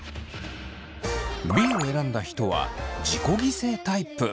Ｂを選んだ人は自己犠牲タイプ。